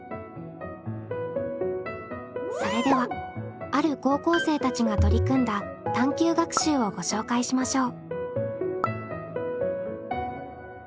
それではある高校生たちが取り組んだ探究学習をご紹介しましょう。